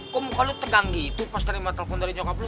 kok muka lo tegang gitu pas terima telepon dari nyokap lo